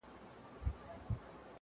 څه د مستیو ورځي شپې ووینو!!